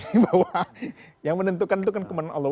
bahwa yang menentukan itu kan kebenaran allah